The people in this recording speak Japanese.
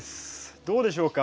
どうでしょうか？